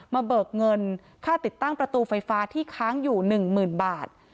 เบิกเงินค่าติดตั้งประตูไฟฟ้าที่ค้างอยู่๑๐๐๐บาท